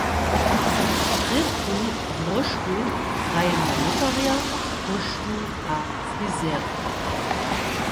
Prědku w róžku hrajemy lěkarja, póštu a frizěra.